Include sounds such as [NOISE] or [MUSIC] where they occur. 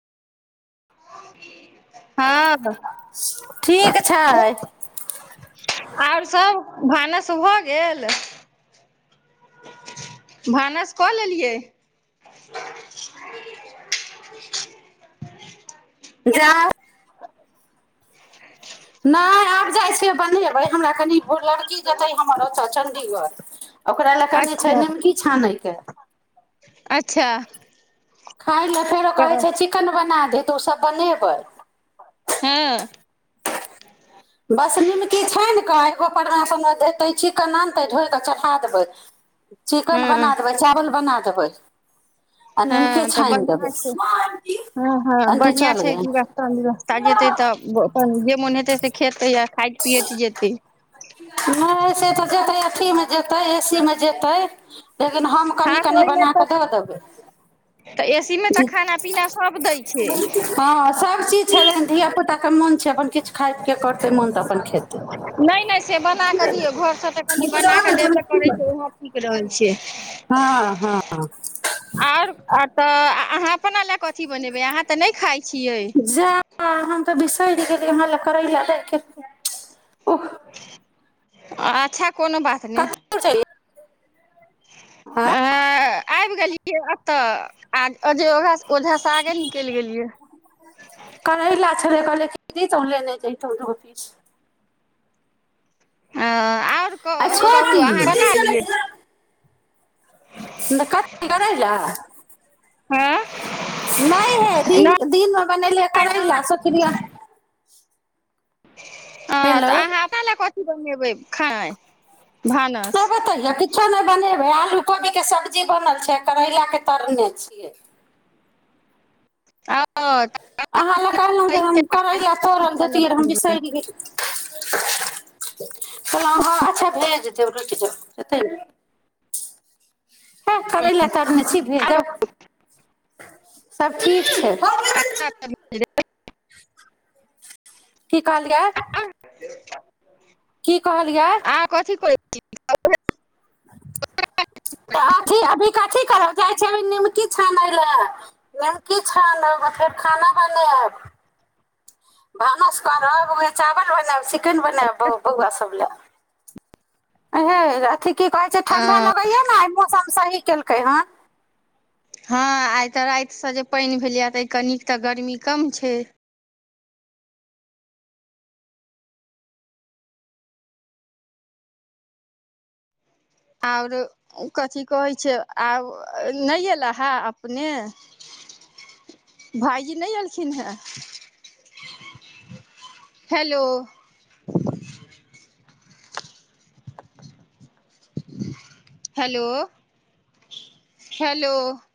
आ ठीक छै आओर सब भानस भ गेल भानस कऽ लेलियै जाा नहि आब जाइ छियै बनेबै हमरा कनि लड़की जेतै हमर ओतऽ चंडीगढ़ ओकरा लए कनि छै अच्छा निमकी छानैके अच्छा एहि ले फेरो कहे तऽ छै चिकेन बनाल अ तऽ ओसभ बनेबै हँ बस निमकी छि कऽ एगो परनासँ देतै ची कऽ आनतै धढोइ कऽ चढ़ा देबै चिकन हँ बना देबै चावल बना देबै कबइ हँ तऽ बढ़िआँ छै हँ हँ आंटी बढ़िआँ चल छै गए कि रन व्यवस्था जेतै तऽ मनेतै से खेतै या खाइत पियैत जेतै नहि से तऽ अथीमे जेतै एसी मे जेतै लेकिन हम हँ कनि तऽ कनि ओहिमे बन कऽ दऽ तऽ देबै तऽ एसी मे तऽ ज खाना पीना सब दै छै हँ सभचीज छलै ह धियापुताके मोन छै अपन किछु खा क करतै मोन तऽ अपन खेतै नहि नहि से बना कऽ दियौ घरसँ तऽ कनि बना कऽ देबे करै छै ओहो ठीक रहै छै हँ हँ आर त अहाँ अपना ले कथी बनेबै अहाँ तऽ नहि खाइ छियै स हमल कर ल त ओख अच्छा कोनो बात नहि छै हँ आबि गेलियै एतय आ अजय ओ ओजासँ आगे निकलि गेलियै कदी तौले नहि चतौ रह फीज [UNINTELLIGIBLE] आओर अच कहू छोटी अहाँ बना एलियै कथी करै ल हँ नहि हे दिन नहि दिनमे बनेलिय करै लए सुिया ह तऽ अहाँ अपना ल क क रबै खानाइ नहि बतैय किछ नहि बने आलू कोबीके सब्जी बनल छै करैलाके तरने छियै अहाँ लए कहलहुँ जे हम करली तौड़ल देतियै हम बिसरलियै पलो हँ अच्छा भेज [UNINTELLIGIBLE] जरूरत हैते त ऐते ने ह करै लए तरने छी भेजब सब ठीक छै अच्छा [UNINTELLIGIBLE] की कहल यै की कहलियै क [UNINTELLIGIBLE] तऽ अथी अभी कथी करब छै अभी निमकी छाने लए निमकी छान फेर खाना बनाब भानस करब ओही चावल बनैब कन बनेब बौआ सब लै [UNINTELLIGIBLE] की कहे छै ठंडा लगेया ने मौसम सही केलकै हँ हँ आइ तऽ रातिसँ जे पानि भेलैए ताहिके नीक तऽ गर्मी कम छै आओर कथी कहै छै आब नहि अयला हे अपने भाायजी नहि एलखिन हेँ हैेलो हेलो हेलो